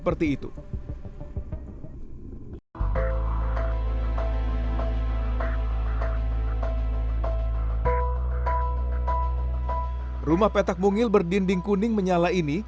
rumah petak mungil berdinding kuning menyala ini